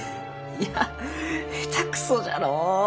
いや下手くそじゃのう！